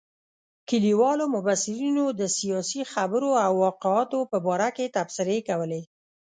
کلیوالو مبصرینو د سیاسي خبرو او واقعاتو په باره کې تبصرې کولې.